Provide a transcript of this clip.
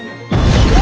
うわ！